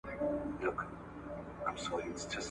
چې قلم مې د وطن په مینه وخوځېد